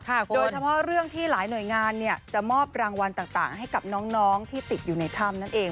โดยเฉพาะเรื่องที่หลายหน่วยงานเนี่ยจะมอบรางวัลต่างให้กับน้องที่ติดอยู่ในถ้ำนั่นเอง